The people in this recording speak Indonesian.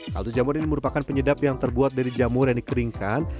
kaldu jamur ini merupakan penyedap yang terbuat dari jamur yang dikeringkan